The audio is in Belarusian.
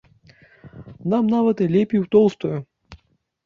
Нам нават і лепей у тоўстую.